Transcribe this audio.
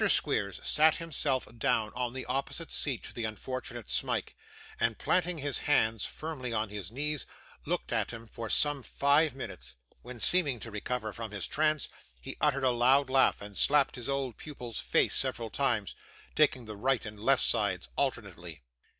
Squeers sat himself down on the opposite seat to the unfortunate Smike, and, planting his hands firmly on his knees, looked at him for some five minutes, when, seeming to recover from his trance, he uttered a loud laugh, and slapped his old pupil's face several times taking the right and left sides alternately.